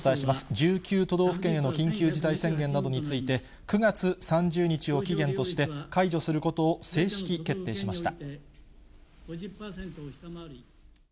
１９都道府県への緊急事態宣言などについて、９月３０日を期限として解除することを正式決定しました。